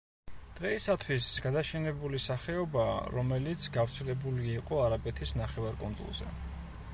დღეისათვის გადაშენებული სახეობაა, რომელიც გავრცელებული იყო არაბეთის ნახევარკუნძულზე.